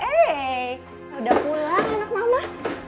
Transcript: eh udah pulang anak mama